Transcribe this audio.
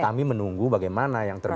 kami menunggu bagaimana yang terbaru